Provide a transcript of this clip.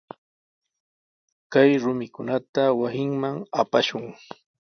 Kay rumikunata wasinman apashun.